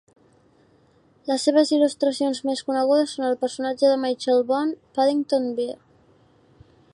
Les seves il·lustracions més conegudes són el personatge de Michael Bond, Paddington Bear.